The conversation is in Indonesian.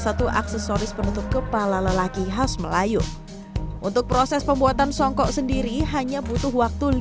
satu aksesoris penutup kepala lelaki khas melayu untuk proses pembuatan songkok sendiri hanya butuh waktu